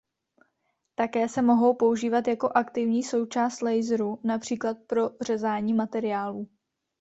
Také se mohou použít jako aktivní součást laseru například pro řezání materiálů.